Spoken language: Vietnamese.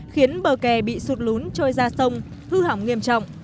khiến bờ kè bị sụt lún trôi ra sông hư hỏng nghiêm trọng